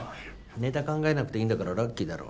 ネタ考えなくていいんだからラッキーだろ。